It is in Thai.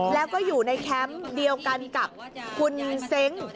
แล้วก็อยู่ในแคมป์เดียวกันกับคุณเซ้ง